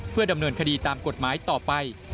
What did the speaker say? เพื่อดำเนินคดีตามกฎหมายต่อไป